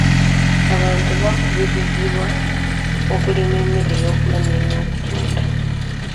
Abantu bakubirizibwa okulima emmere ey'okulya n'ey'okutunda.